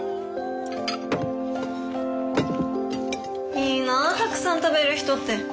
いいなたくさん食べる人って。